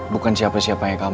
bukan siapa siapanya kamu